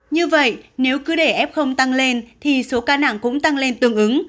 như vậy nếu cứ để f tăng lên thì số ca nặng cũng tăng lên tương ứng